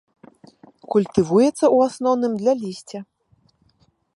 Культывуецца ў асноўным для лісця.